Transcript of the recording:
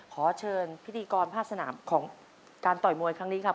ขอเชิญพิธีกรภาคสนามของการต่อยมวยครั้งนี้ครับ